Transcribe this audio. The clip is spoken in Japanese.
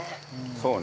そうね。